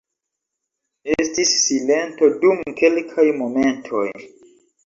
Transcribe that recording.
Estis silento dum kelkaj momentoj.